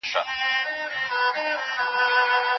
هغه ته د ټولنپوهنې د علم پلار ویل کیږي.